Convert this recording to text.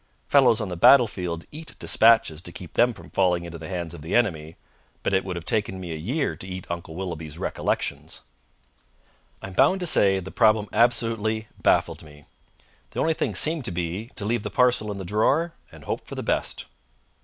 Fellows on the battle field eat dispatches to keep them from falling into the hands of the enemy, but it would have taken me a year to eat Uncle Willoughby's Recollections. I'm bound to say the problem absolutely baffled me. The only thing seemed to be to leave the parcel in the drawer and hope for the best.